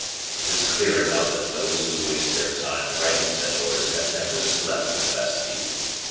'Tis clear enough that those who waste their time writing such orders have never slept in the Bastile.